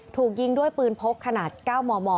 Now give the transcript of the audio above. ถูกยิงด้วยปืนพกขนาด๙มม